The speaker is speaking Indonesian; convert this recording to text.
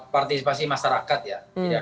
partisipasi masyarakat ya